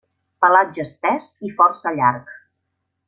Pelatge espès i força llarg.